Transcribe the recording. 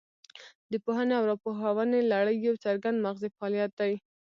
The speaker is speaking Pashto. د پوهونې او راپوهونې لړۍ یو څرګند مغزي فعالیت دی